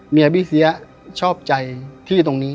พี่เสียชอบใจที่ตรงนี้